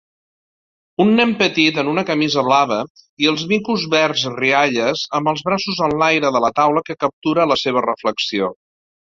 Un nen petit en una camisa blava i els micos verds rialles amb els braços en l'aire de la taula que captura la seva reflexió